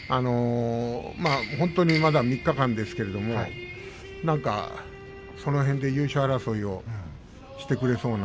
本当にまだ３日間ですけれどなんかその辺で優勝争いをしてくれそうな。